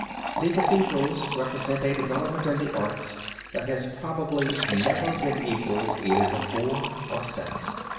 The cathedrals represent a development in the arts that has probably never been equaled either before or since.